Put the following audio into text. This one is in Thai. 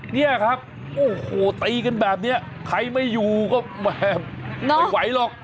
เนี่ยครับโอ้โหตีกันแบบนี้ใครไม่อยู่ก็แหมไม่ไหวหรอก